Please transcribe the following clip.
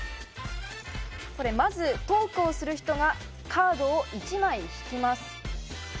まずトークをする人がカードを１枚引きます。